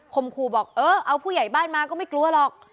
ขู่บอกเออเอาผู้ใหญ่บ้านมาก็ไม่กลัวหรอก